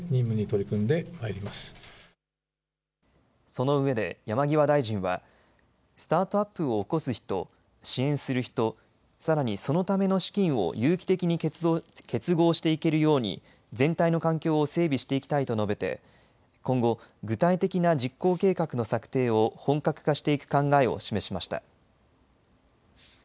そのうえで山際大臣はスタートアップを興す人、支援する人、さらにそのための資金を有機的に結合していけるように全体の環境を整備していきたいと述べて今後、具体的な実行計画の策定を本格化していく考えを示しました。